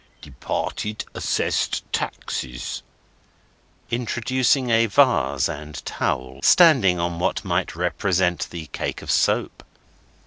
"Departed Assessed Taxes;" introducing a vase and towel, standing on what might represent the cake of soap.